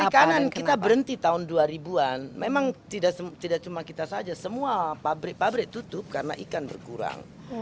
perikanan kita berhenti tahun dua ribu an memang tidak cuma kita saja semua pabrik pabrik tutup karena ikan berkurang